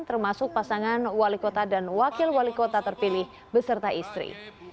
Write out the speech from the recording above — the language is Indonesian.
termasuk pasangan wali kota dan wakil wali kota terpilih beserta istri